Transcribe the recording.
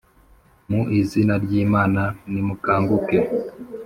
mu izina ry Imana Nimukanguke